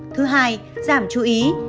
thứ hai giảm chú ý